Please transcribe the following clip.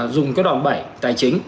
dùng cái đòn bảy tài chính